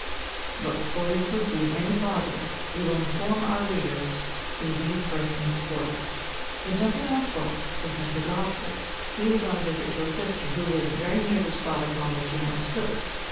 But before we proceed any farther we will inform our readers who these persons were. The gentleman on foot, was Mr. Godfrey. He was on a visit to a sister, who lived very near the spot upon which he now stood.